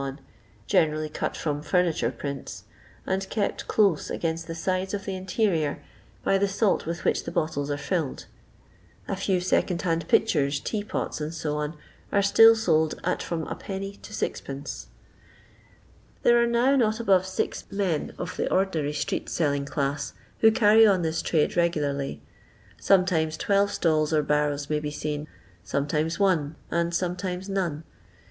generally cut from *' furniture prints," and kept close against the sides of the interior by the salt with which the bottles are filled. A few second hand pitchers, tea poU, &c., are still sold at from \d. to 6e2. There are now not above six men (of the ordi nary street selling class) who carry on this trade regularly. Sometimes twelve stalls or barrows may be seen; sometimes one, and sometimes none.